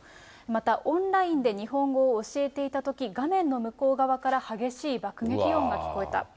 また、オンラインで日本語を教えていたとき、画面の向こう側から激しい爆撃音が聞こえた。